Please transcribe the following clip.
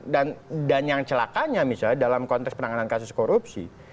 yang celakanya misalnya dalam konteks penanganan kasus korupsi